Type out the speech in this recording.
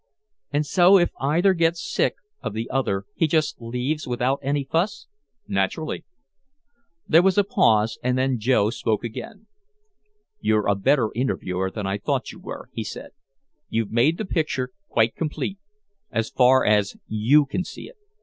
"And so if either gets sick of the other he just leaves without any fuss." "Naturally." There was a pause. And then Joe spoke again. "You're a better interviewer than I thought you were," he said. "You've made the picture quite complete as far as you can see it.